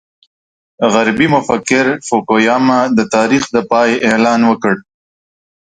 غربي مفکر فوکو یاما د تاریخ د پای اعلان وکړ.